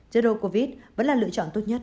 zero covid vẫn là lựa chọn tốt nhất